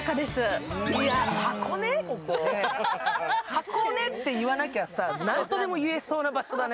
箱根って言わなきゃ何とでも言えそうな場所だね。